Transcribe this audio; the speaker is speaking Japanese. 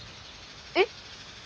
えっ？